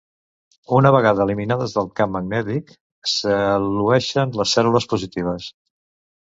Una vegada eliminades del camp magnètic, s'elueixen les cèl·lules positives.